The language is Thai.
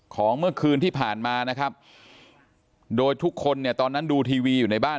ของเมื่อคืนที่ผ่านมานะครับโดยทุกคนเนี่ยตอนนั้นดูทีวีอยู่ในบ้าน